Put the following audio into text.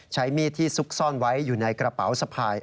ใช้มีดที่ซุกซ่อนไว้อยู่ในกระเป๋าสะพาย